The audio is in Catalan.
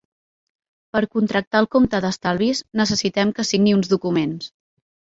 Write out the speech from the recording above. Per contractar el compte d'estalvis, necessitem que signi uns documents.